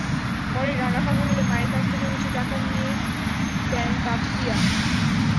পরে নানা কথা বলে মায়ের কাছ থেকে কিছু টাকা নিয়ে দেন তাসফিয়া।